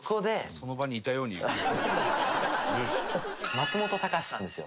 松本隆さんですよ。